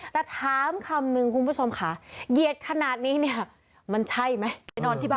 และถามคำนึงคุณผู้ชมค่ะเหยียดขนาดนี้เนี่ยมันใช่ไหม